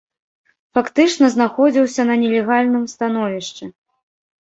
Фактычна знаходзіўся на нелегальным становішчы.